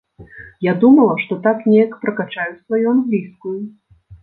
Я думала, што так неяк пракачаю сваю англійскую.